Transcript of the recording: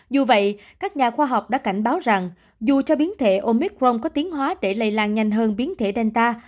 dù vậy các nhà khoa học đã cảnh báo rằng dù cho biến thể omicron có tiến hóa để lây lan nhanh hơn biến thể danta